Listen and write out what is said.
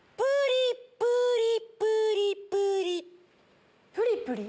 プリプリプリプリ。